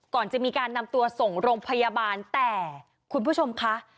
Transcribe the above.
ก่อนจะมีการนำตัวส่งโรงพยาบาลแต่คุณผู้ชมคะ